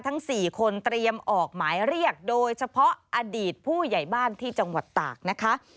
ทั้ง๔คนเตรียมออกหมายเรียกโดยเฉพาะอดีตผู้ใหญ่บ้านที่จังหวัดตากนะคะ